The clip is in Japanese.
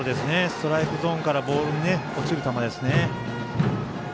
ストライクゾーンからボールに落ちる球ですね。